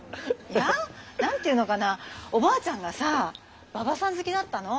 いや何て言うのかなおばあちゃんがさ馬場さん好きだったの。